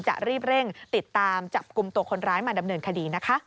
จะรีบเร่งติดตามจับกลุ่มตัวคนร้ายมาดำเนินคดีนะคะ